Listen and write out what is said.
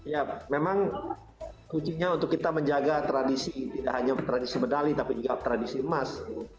ya memang kuncinya untuk kita menjaga tradisi tidak hanya tradisi medali tapi juga tradisi emas